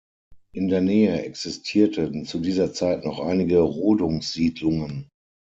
In der Nähe existierten zu dieser Zeit noch einige Rodungssiedlungen.